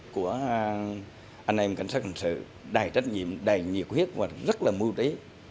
của anh em cảnh sát hình sự đầy trách nhiệm đầy nhiệt huyết và rất là mưu trí